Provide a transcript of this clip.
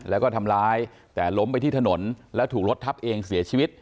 แล้วก็ทำร้ายแต่ล้มไปที่ถนนแล้วถูกรถทับเองเสียชีวิต